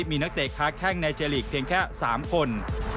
มีนักเตะค้าแข้งในเจลีกเพียงแค่๓คน